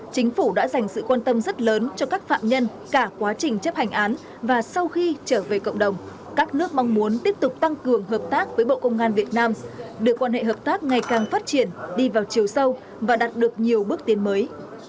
chính phủ đã dành sự quan tâm rất lớn cho các phạm nhân cả quá trình chấp hành án và sau khi trở về cộng đồng các nước mong muốn tiếp tục tăng cường hợp tác với bộ công an việt nam đưa quan hệ hợp tác ngày càng phát triển đi vào chiều sâu và đạt được nhiều bước tiến mới